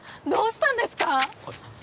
どうしたんですか？